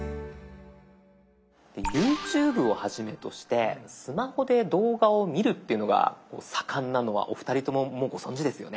ＹｏｕＴｕｂｅをはじめとしてスマホで動画を見るっていうのが盛んなのはお二人とももうご存じですよね？